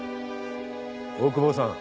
大久保さん。